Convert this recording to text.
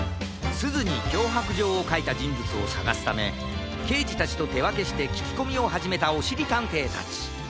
すずにきょうはくじょうをかいたじんぶつをさがすためけいじたちとてわけしてききこみをはじめたおしりたんていたち